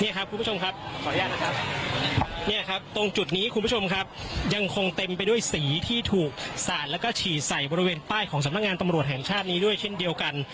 คุณผู้ชมครับขออนุญาตนะครับเนี่ยครับตรงจุดนี้คุณผู้ชมครับยังคงเต็มไปด้วยสีที่ถูกสาดแล้วก็ฉี่ใส่บริเวณป้ายของสำนักงานตำรวจแห่งชาตินี้ด้วยเช่นเดียวกัน